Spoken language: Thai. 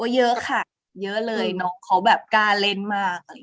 เยอะค่ะเยอะเลยน้องเขาแบบกล้าเล่นมาก